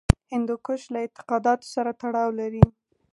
هندوکش له اعتقاداتو سره تړاو لري.